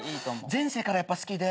前世からやっぱ好きで。